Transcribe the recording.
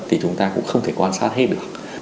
thì chúng ta cũng không thể quan sát hết được